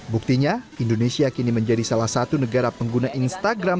buktinya indonesia kini menjadi salah satu negara pengguna instagram